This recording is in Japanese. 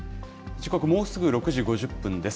時刻、もうすぐ６時５０分です。